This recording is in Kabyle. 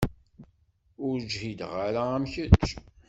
Ur ǧhideɣ ara am kečč.